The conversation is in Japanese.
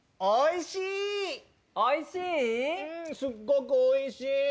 おいしい？